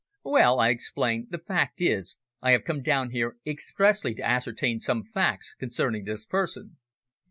"Well," I explained, "the fact is I have come down here expressly to ascertain some facts concerning this person."